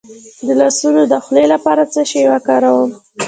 د لاسونو د خولې لپاره څه شی وکاروم؟